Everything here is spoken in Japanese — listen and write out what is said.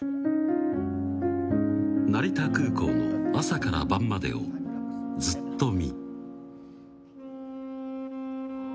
成田空港の朝から晩までをずっとみ。